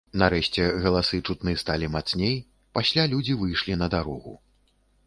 Нарэшце галасы чутны сталі мацней, пасля людзі выйшлі на дарогу.